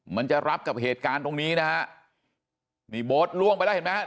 มันจะรับกับเหตุการณ์ตรงนี้นะฮะนี่โบ๊ทล่วงไปแล้วเห็นไหม